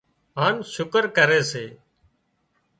هانَ شُڪر ڪري سي